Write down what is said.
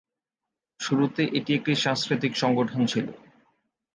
শুরুতে এটি একটি সাংস্কৃতিক সংগঠন ছিল।